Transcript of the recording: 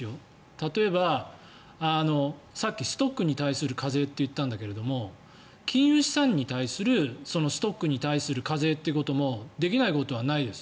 例えば、さっきストックに対する課税と言ったんだけど金融資産に対するストックに対する課税ということもできないことはないです。